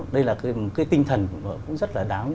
đây là cái tinh thần cũng rất là đáng